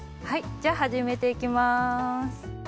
じゃあ始めていきます。